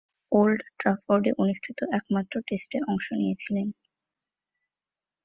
Old ট্রাফোর্ডে অনুষ্ঠিত একমাত্র টেস্টে অংশ নিয়েছিলেন।